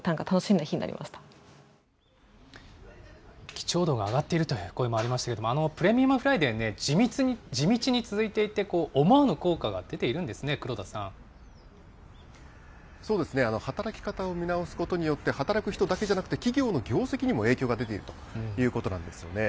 貴重度が上がっているという声もありましたけど、プレミアムフライデー、地道に続いていて、思わぬ効果が出ているんですね、働き方を見直すことによって、働く人だけじゃなくて、企業の業績にも影響が出ているということなんですよね。